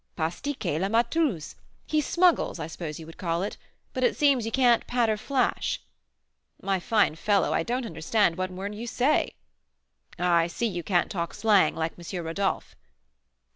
"Pastiquer la maltouze. He smuggles, I suppose you would call it; but it seems you can't 'patter flash?'" "My fine fellow, I don't understand one word you say." "I see you can't talk slang like M. Rodolph."